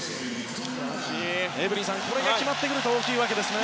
エブリンさんこれが決まってくると大きいわけですね。